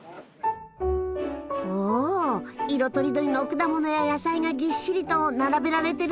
お色とりどりの果物や野菜がぎっしりと並べられてる。